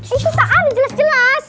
itu tak ada jelas jelas